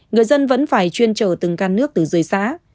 người dân vẫn phải chuyên trở từng căn nước từ dưới xá